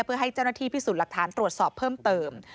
เพื่อให้เจ้าหน้าที่พิสูจน์หลักฐานตรวจสอบเพิ่มเติม